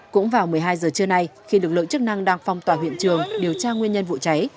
cũng vào một mươi hai giờ trưa nay khi lực lượng chức năng đang phòng tòa huyện trường điều tra nguyên nhân vụ cháy